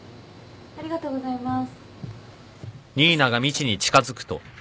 ありがとうございます。